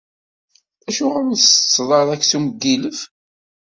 Acuɣer ur tsetteḍ ara aksum n yilef?